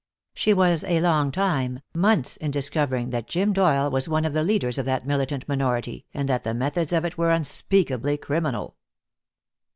She was a long time, months, in discovering that Jim Doyle was one of the leaders of that militant minority, and that the methods of it were unspeakably criminal.